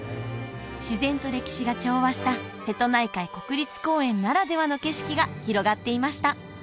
自然と歴史が調和した瀬戸内海国立公園ならではの景色が広がっていました